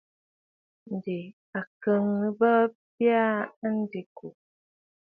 Ǹdè a kɔ̀ŋə̀ bɔɔ bya aa diŋkò.